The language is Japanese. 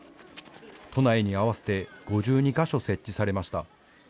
都内に合わせて５２か所設置されました。